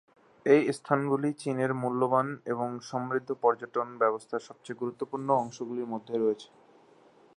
এই স্থানগুলি চীনের মূল্যবান এবং সমৃদ্ধ পর্যটন ব্যবস্থার সবচেয়ে গুরুত্বপূর্ণ অংশগুলির মধ্যে রয়েছে।